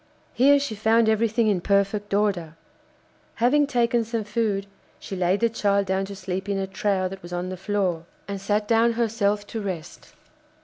Here she found everything in perfect order. Having taken some food, she laid the child down to sleep in a trough that was on the floor, and sat down herself to rest.